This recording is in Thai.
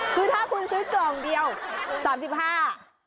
คือถ้าคุณซื้อกล่องเดียว๓๕๒กล่องเท่าไหร่